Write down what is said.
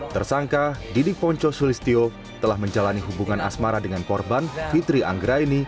tersangka didik ponco sulistio telah menjalani hubungan asmara dengan korban fitri anggraini